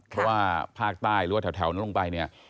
เพราะว่าภาคใต้หรือว่าแถวนั้นลงไปเนี่ย